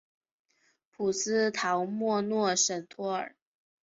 普斯陶莫诺什托尔。